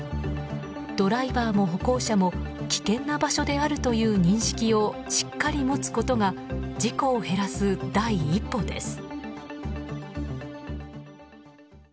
ドライバーも歩行者も危険な場所であるという認識をしっかり持つことが事故を減らす第一歩です。